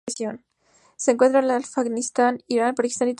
Se encuentra en Afganistán, Irán, Pakistán y Turkmenistán.